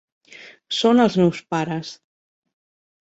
Són els meus pares.